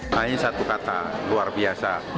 hanya satu kata luar biasa